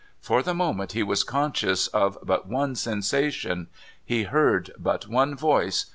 For the moment he was conscious of but one sensation; he heard but one voice.